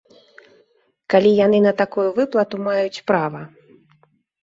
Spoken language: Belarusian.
Калі яны на такую выплату маюць права.